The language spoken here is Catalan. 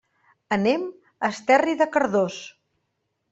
Anem a Esterri de Cardós.